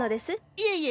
いえいえ。